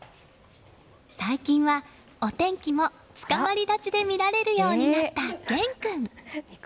最近は、お天気もつかまり立ちで見られるようになった、玄君。